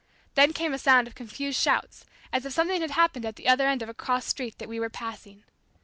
Then came a sound of confused shouts as if something had happened at the other end of a cross street that we were passing.